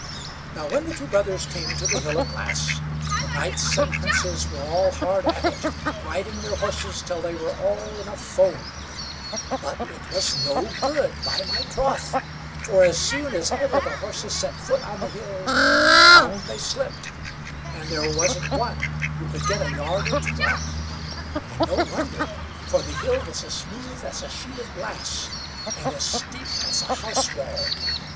Now when the two brothers came to the Hill of Glass, the knights and princes were all hard at it, riding their horses till they were all in a foam; but it was no good, by my troth; for as soon as ever the horses set foot on the hill, down they slipped, and there wasn't one who could get a yard or two up; and no wonder, for the hill was as smooth as a sheet of glass, and as steep as a house wall.